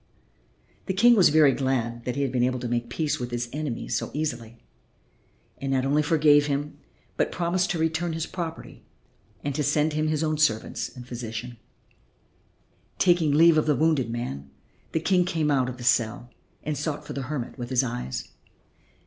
The King was very glad that he had been able to make peace with his enemy so easily, and not only forgave him but promised to return his property and to send him his own servants and physician. Taking leave of the wounded man the King came out of the cell and sought for the hermit with his eyes.